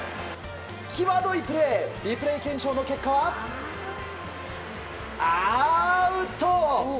きわどいプレーリプレイ検証の結果は、アウト！